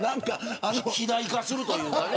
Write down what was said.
肥大化するというかね。